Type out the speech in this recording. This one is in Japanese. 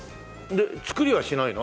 で作りはしないの？